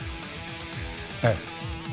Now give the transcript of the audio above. ええ。